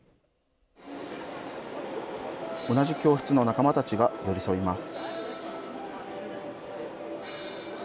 同じ教室の仲間たちが寄り添います。